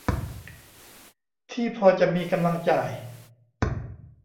ที่พอจะมีกำลังจ่าย